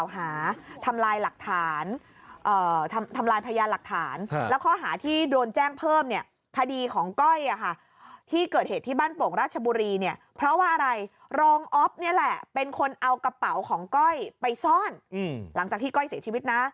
หลังจากที่ก้อยเสียชีวิตนะ